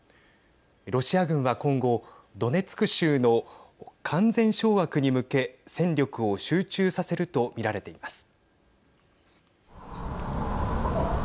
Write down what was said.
ロシア軍は今後ドネツク州の完全掌握に向け戦力を集中させると見られています。